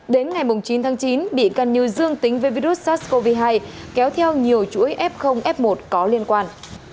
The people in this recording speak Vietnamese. đến ngày chín tháng chín bị căn như dương tính với virus sars cov hai kéo theo nhiều chuỗi f f một có liên quan